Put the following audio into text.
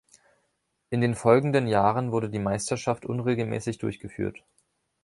In den folgenden Jahren wurde die Meisterschaft unregelmäßig durchgeführt.